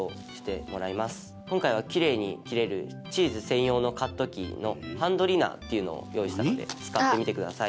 今回はキレイに切れるチーズ専用のカット器のハンドリナーっていうのを用意したので使ってみてください。